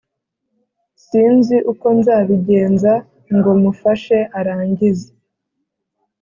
sinzi uko nzabigenza ngo mufashe arangize